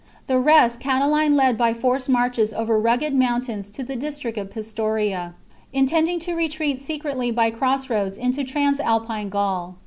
The rest Cati line led by forced marches over rugged mountains to the district of Pistoria, intending to retreat secretly by cross roads into Transalpine Gaul.